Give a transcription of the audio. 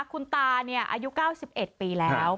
คุณตาอายุ๙๑ปีแล้ว